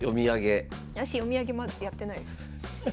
私読み上げまだやってないです。